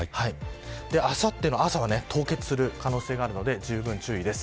あさっての朝は、凍結する可能性があるのでじゅうぶん注意です。